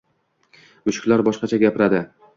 Mushuklar boshqacha gapiradi